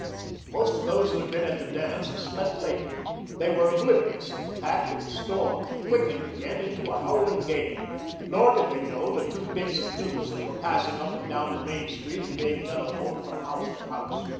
Most of those who had been at the dance slept late. They were oblivious of the fact that the storm had quickened again into a howling gale. Nor did they know the two bits of news that were passing up and down the main street and being telephoned from house to house.